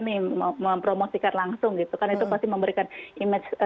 makanya trepidasi untuk presiden mesin mempromosikan langsung gitu kan itu pasti memberikan image